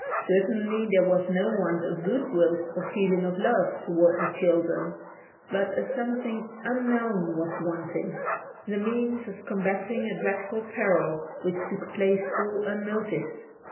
Certainly there was no want of good will or feeling of love toward the children, but a something unknown was wanting: the means of combating a dreadful peril which took place all unnoticed.